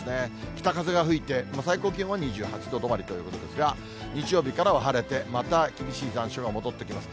北風が吹いて最高気温は２８度止まりということですが、日曜日からは晴れてまた厳しい残暑が戻ってきます。